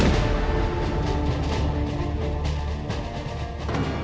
meng onsik wang guma yang terbayar